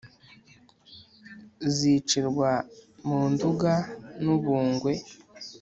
zicirwa munduga nubungwe